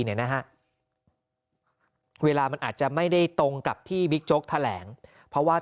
เนี่ยนะฮะเวลามันอาจจะไม่ได้ตรงกับที่บิ๊กโจ๊กแถลงเพราะว่า